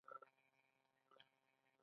د باغ ډیزاین څنګه وکړم؟